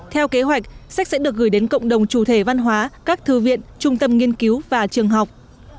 theo kế hoạch sách sẽ được gửi đến cộng đồng chủ thể văn hóa các thư viện trung tâm nghiên cứu và trường học